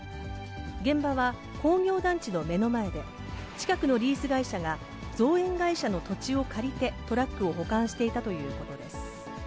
現場は、工業団地の目の前で、近くのリース会社が造園会社の土地を借りてトラックを保管していたということです。